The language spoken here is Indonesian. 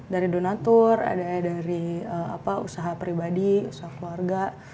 dari donatur ada dari usaha pribadi usaha keluarga